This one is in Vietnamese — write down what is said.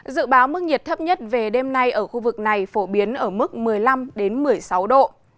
dự báo mức nhiệt thấp nhất về đêm nay ở khu vực này phổ biến ở mức một mươi năm một mươi sáu độ